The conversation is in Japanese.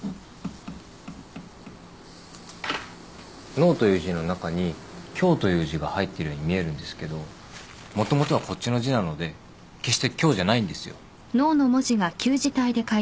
脳という字の中に凶という字が入ってるように見えるんですけどもともとはこっちの字なので決して凶じゃないんですよ。